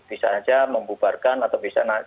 bisa saja membubarkan atau bisa